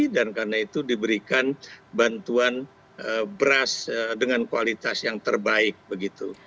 dan karena itu diberikan bantuan beras dengan kualitas yang terbaik begitu